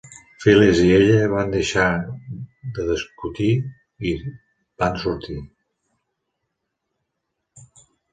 Phyllis i Ella van deixar de discutir i van sortir.